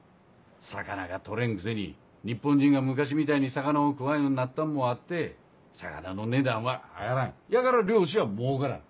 魚が取れんくせに日本人が昔みたいに魚を食わんようになったんもあって魚の値段は上がらんやから漁師は儲からん。